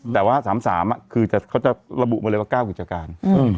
แต่ว่า๓๓คือเขาจะระบุมาเลยว่า๙กิจการ